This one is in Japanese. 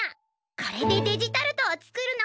これでデジタルトを作るのにゃ。